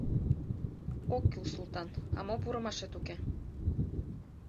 — Ок кӱл— Султан, а мо пурымашет уке?